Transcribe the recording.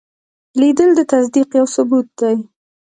لیدل د تصدیق یو ثبوت دی